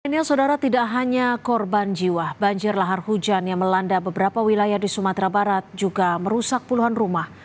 ini yang saudara tidak hanya korban jiwa banjir lahar hujan yang melanda beberapa wilayah di sumatera barat juga merusak puluhan rumah